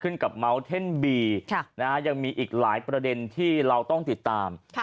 กับเมาส์เท่นบียังมีอีกหลายประเด็นที่เราต้องติดตาม